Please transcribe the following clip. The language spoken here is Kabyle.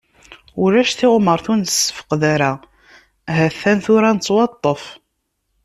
Ulac tiɣmert ur nessefqed ara, hatan tura nettwaṭṭef.